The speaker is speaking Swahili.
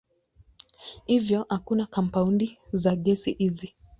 Hivyo hakuna kampaundi za gesi hizi.